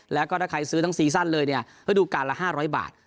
แล้วก็ถ้าใครซื้อทั้งซีซั่นเลยเนี่ยฤดูการละ๕๐๐บาท